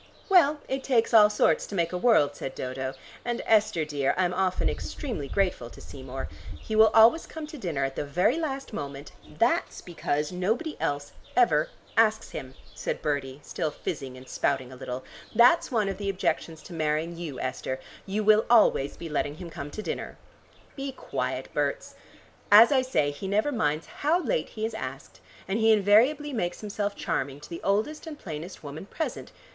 "Well, it takes all sorts to make a world," said Dodo, "and, Esther dear, I'm often extremely grateful to Seymour. He will always come to dinner at the very last moment " "That's because nobody else ever asks him," said Bertie, still fizzing and spouting a little. "That's one of the objections to marrying you, Esther, you will always be letting him come to dinner." "Be quiet, Berts. As I say, he never minds how late he is asked, and he invariably makes himself charming to the oldest and plainest woman present.